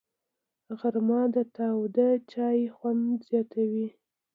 غرمه د تاوده چای خوند زیاتوي